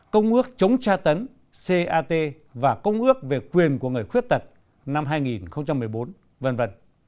công ước chống tra tấn cat và công ước về quyền của người khuyết tật năm hai nghìn một mươi bốn v v